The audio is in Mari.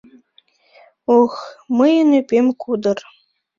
Ох, мыйын ӱпем кудыр